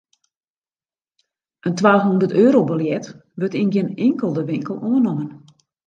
In twahûnderteurobiljet wurdt yn gjin inkelde winkel oannommen.